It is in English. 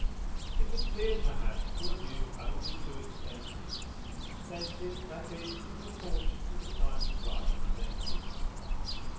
It had cleared perhaps to a view only too extensive extensive, that is, in proportion to the signs of life presented.